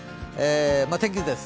天気図です。